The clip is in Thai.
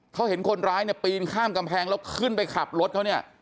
เขาเห็นคนร้ายเนี่ยปีนข้ามกำแพงแล้วขึ้นไปขับรถเขาเนี่ย